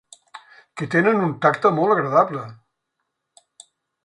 Que tenen un tacte molt agradable.